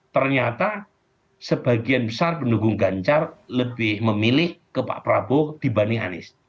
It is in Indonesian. ternyata sebagian besar pendukung ganjar lebih memilih ke pak prabowo dibanding anies